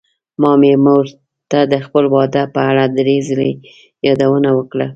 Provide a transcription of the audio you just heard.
ما مې مور ته د خپل واده په اړه دری ځلې يادوونه وکړه.